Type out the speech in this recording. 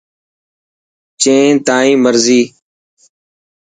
جين تائن مرضي.